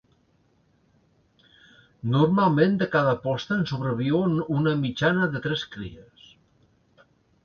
Normalment de cada posta en sobreviuen una mitjana de tres cries.